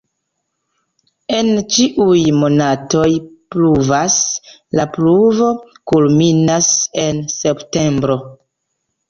En ĉiuj monatoj pluvas, la pluvo kulminas en septembro.